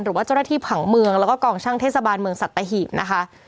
หรือว่าเจ้าหน้าที่ผังเมืองแล้วก็กองช่างเทศบาลเมืองสัตหีบนะคะ